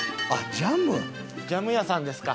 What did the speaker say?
ジャム屋さんですか。